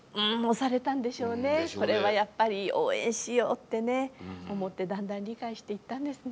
これはやっぱり応援しようってね思ってだんだん理解していったんですね。